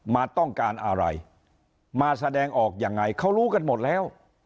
มาต้องการอะไรมาแสดงออกยังไงเขารู้กันหมดแล้ว